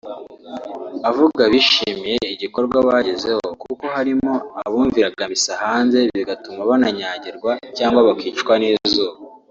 avuga bishimiye igikorwa bagezeho kuko harimo abumviraga misa hanze bigatuma bananyagirwa cyangwa bakicwa n’izuba